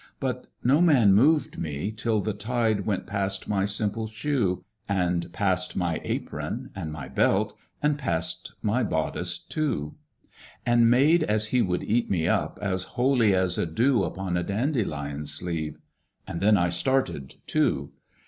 But no man moved me till the tide Went past my simple shoe, And past my apron and my belt, And past my bodice too, And made as he would eat me up As wholly as a dew Upon a dandelion's sleeve And then I started too.